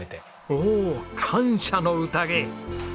おお感謝の宴！